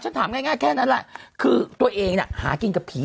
ถามง่ายแค่นั้นแหละคือตัวเองเนี่ยหากินกับผี